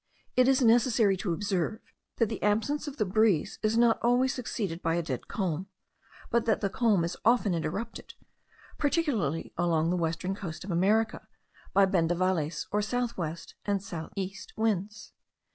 It is necessary to observe, that the absence of the breeze is not always succeeded by a dead calm; but that the calm is often interrupted, particularly along the western coast of America, by bendavales, or south west and south east winds.